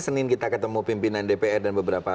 senin kita ketemu pimpinan dpr dan beberapa